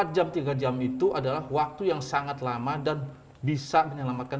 empat jam tiga jam itu adalah waktu yang sangat lama dan bisa menyelamatkan